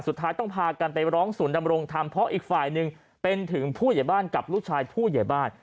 สุดท้ายต้องพากันไปร้องศูนย์ดำรงธรรมเพราะอีกฝ่ายหนึ่งเป็นถึงผู้ใหญ่บ้านกับลูกชายผู้ใหญ่บ้าน